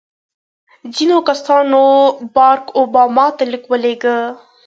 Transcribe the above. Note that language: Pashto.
ځینو کسانو بارک اوباما ته لیک ولیکه.